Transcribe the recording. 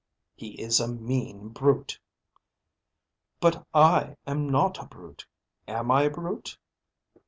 "He is a mean brute." "But I am not a brute. Am I a brute?